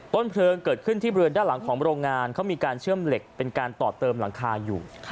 เพลิงเกิดขึ้นที่บริเวณด้านหลังของโรงงานเขามีการเชื่อมเหล็กเป็นการต่อเติมหลังคาอยู่